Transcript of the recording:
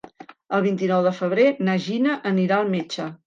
El vint-i-nou de febrer na Gina anirà al metge.